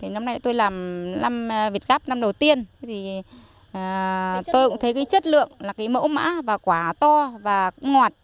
năm nay tôi làm việt gáp năm đầu tiên tôi cũng thấy chất lượng mẫu mã quả to và ngọt